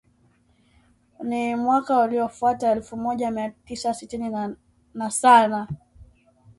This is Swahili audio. Na mwaka uliofuata elfu moja mia tisa sitini na sana